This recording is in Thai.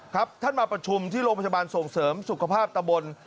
ท่านมาประชุมที่โรงพยาบาลส่งเสริมสุขภาพตะบน